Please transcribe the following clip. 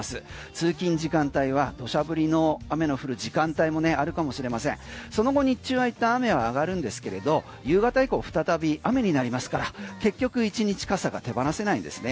通勤時間帯は土砂降りの雨の降る時間帯もあるかもしれませんその後日中はいったん雨は上がるんですけれど夕方以降再び雨になりますから結局１日傘が手放せないんですね。